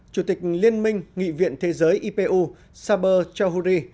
chủ tịch liên minh nghị viện thế giới ipu saber chohuri